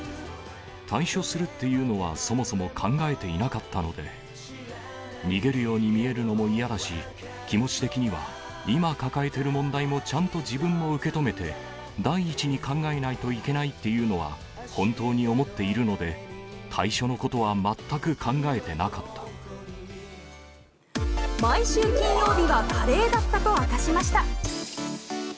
退所するっていうのはそもそも考えていなかったので、逃げるように見えるのも嫌だし、気持ち的には今抱えてる問題もちゃんと自分も受け止めて、第一に考えないといけないっていうのは、本当に思っているので、毎週金曜日はカレーだったと明かしました。